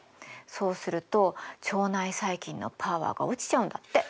そうすると腸内細菌のパワーが落ちちゃうんだって。